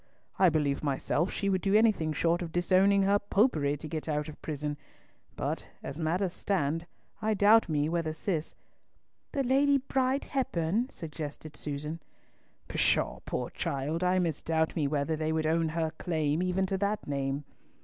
I believe myself she would do anything short of disowning her Popery to get out of prison; but as matters stand I doubt me whether Cis—" "The Lady Bride Hepburn," suggested Susan. "Pshaw, poor child, I misdoubt me whether they would own her claim even to that name."